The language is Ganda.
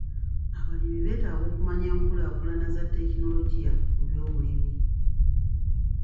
Abalimi beetaaga okumanya enkulaakulana za tekinologiya mu by'obulimi.